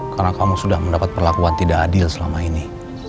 karena kamu sudah mendapat perlakuan tidak adil selama ini